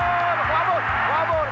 フォアボール。